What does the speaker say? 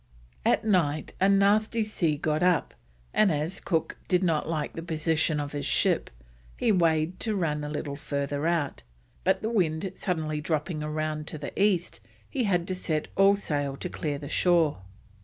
At night a nasty sea got up, and as Cook did not like the position of his ship he weighed to run a little further out, but the wind suddenly dropping round to the east, he had to set all sail to clear the shore.